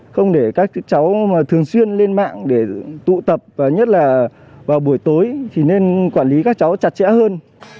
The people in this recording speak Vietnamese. không để các cháu thường xuyên lên mạng để tụ tập và nhất là vào buổi tối thì nên quản lý các cháu chặt chẽ hơn